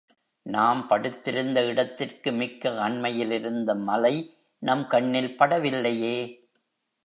நாம் படுத்திருந்த இடத்திற்கு மிக்க அண்மையில் இருந்த மலை நம் கண்ணில் படவில்லையே!